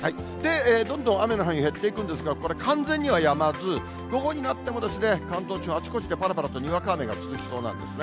どんどん雨の範囲、減っていくんですが、これ、完全にはやまず、午後になっても、関東地方、あちこちで、ぱらぱらとにわか雨が続きそうなんですね。